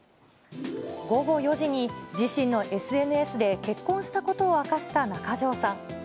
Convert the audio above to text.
午後４時に、自身のＳＮＳで結婚したことを明かした中条さん。